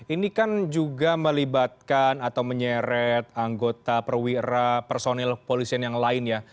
ini kan juga melibatkan atau menyeret anggota perwira personil polisian yang lain ya